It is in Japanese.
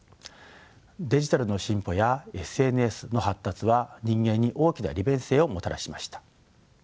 デジタルの進歩やＳＮＳの発達は人間に大きな利便性をもたらしました。